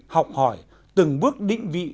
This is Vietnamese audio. học hỏi từng bước định vị